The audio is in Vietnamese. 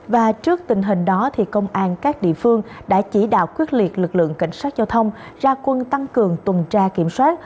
và trước tình hình đó công an các địa phương đã chỉ đạo quyết liệt lực lượng cảnh sát giao thông ra quân tăng cường tuần tra kiểm soát